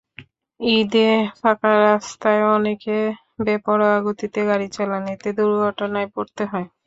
ঈদে ফাঁকা রাস্তায় অনেকে বেপরোয়া গতিতে গাড়ি চালান, এতে দুর্ঘটনায় পড়তে হয়।